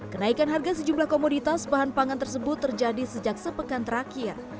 kenaikan harga sejumlah komoditas bahan pangan tersebut terjadi sejak sepekan terakhir